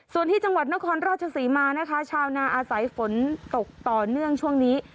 ส่วนที่จังหวัดนครราชศรีมานะคะชาวนาอาศัยฝนตกต่อเนื่องช่วงนี้